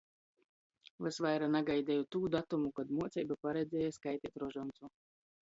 Vysvaira nagaideju tū datumu, kod muoceiba paredzēja skaiteit rožoncu.